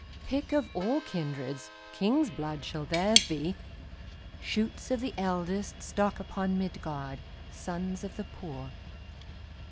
Pick of all kindreds, King's blood shall theirs be, Shoots of the eldestStock upon Midgard, Sons of the poor.